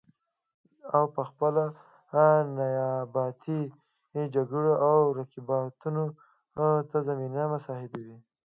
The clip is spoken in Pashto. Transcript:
او پخپله نیابتي جګړو او رقابتونو ته زمینه مساعدوي